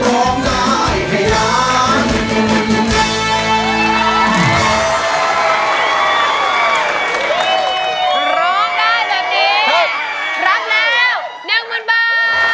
รักแล้ว๑หมื่นบาท